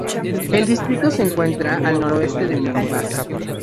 El distrito se encuentra al nordeste de Mombasa.